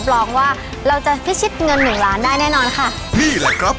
สวัสดีครับ